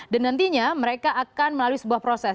dan nantinya mereka akan melalui sebuah proses